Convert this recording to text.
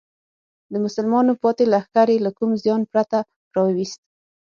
د مسلمانانو پاتې لښکر یې له کوم زیان پرته راوویست.